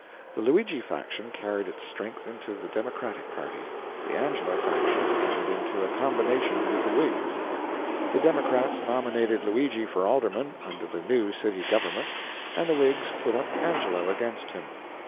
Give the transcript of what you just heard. The Luigi faction carried its strength into the Democratic party, the Angelo faction entered into a combination with the Whigs. The Democrats nominated Luigi for alderman under the new city government, and the Whigs put up Angelo against him.